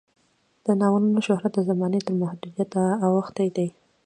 د ناول شهرت د زمانې تر محدودیت اوښتی دی.